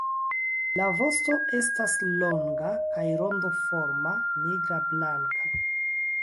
La vosto estas longa kaj rondoforma, nigrablanka.